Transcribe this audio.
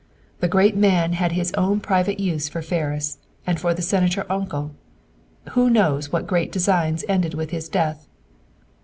"The great man had his own private uses for Ferris, and for the Senator uncle, who knows what great designs ended with his death.